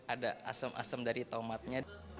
ada asam asam dari tomatnya